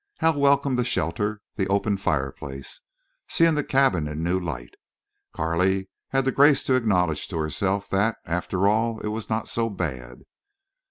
How welcome the shelter, the open fireplace! Seeing the cabin in new light, Carley had the grace to acknowledge to herself that, after all, it was not so bad.